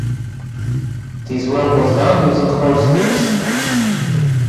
This work was done using horse teams.